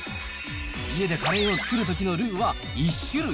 家でカレーを作るときのルーは１種類？